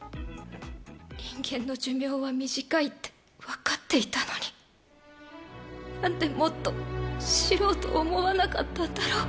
人間の寿命は短いってわかっていたのに、なんでもっと知ろうと思わなかったんだろう。